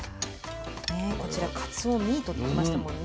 こちらかつおミートって言ってましたもんね。